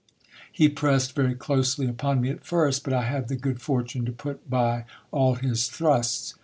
He pressed very closely upon me at first, but I had the good for.une to put by all his thrusts.